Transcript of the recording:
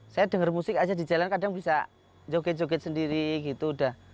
saya dengar musik aja di jalan kadang bisa joget joget sendiri gitu